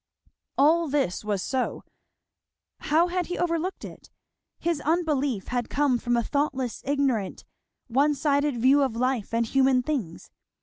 All this was so, how had he overlooked it? His unbelief had come from a thoughtless, ignorant, one sided view of life and human things.